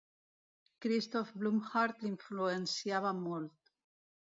Christoph Blumhardt l'influenciava molt.